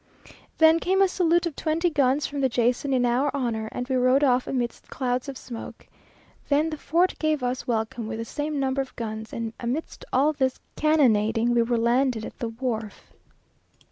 Then came a salute of twenty guns from the Jason in our honour, and we rode off amidst clouds of smoke. Then the fort gave us welcome with the same number of guns, and, amidst all this cannonading, we were landed at the wharf.